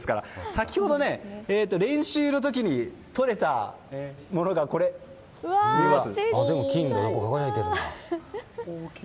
先ほど、練習の時に採れたものがこれです。